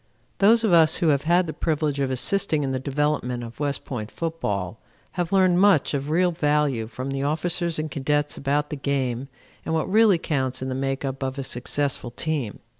Those of us who have had the privilege of assisting in the development of West Point football have learned much of real value from the officers and cadets about the game and what really counts in the make up of a successful team.